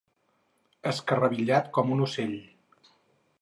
Escarrabillat com un ocell.